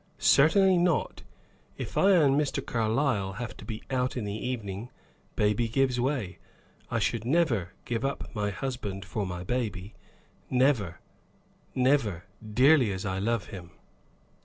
"Certainly not. If I and Mr. Carlyle have to be out in the evening, baby gives way. I should never give up my husband for my baby; never, never, dearly as I love him."